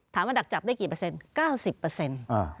ถามว่าดักจับได้กี่เปอร์เซนต์